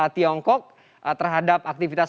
tiongkok terhadap aktivitas